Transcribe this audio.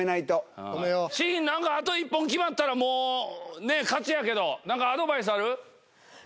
信あと１本決まったら勝ちやけどアドバイスある？